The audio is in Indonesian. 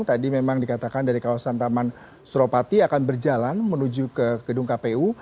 tadi memang dikatakan dari kawasan taman suropati akan berjalan menuju ke gedung kpu